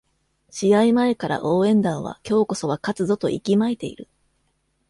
試合前から応援団は今日こそは勝つぞと息巻いている